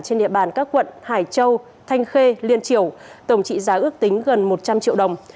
trên địa bàn các quận hải châu thanh khê liên triều tổng trị giá ước tính gần một trăm linh triệu đồng